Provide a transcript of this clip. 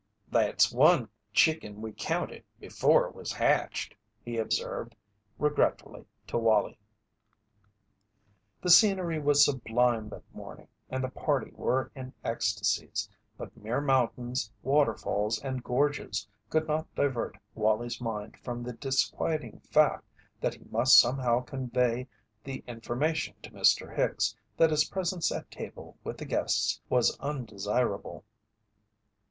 "That's one chicken we counted before it was hatched," he observed, regretfully, to Wallie. The scenery was sublime that morning and the party were in ecstasies, but mere mountains, waterfalls, and gorges could not divert Wallie's mind from the disquieting fact that he must somehow convey the information to Mr. Hicks that his presence at table with the guests was undesirable.